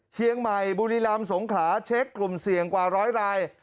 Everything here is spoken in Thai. เชียงใหม่บุรีรามสงขาเช็คกลุ่มเสี่ยงกว่าร้อยลาย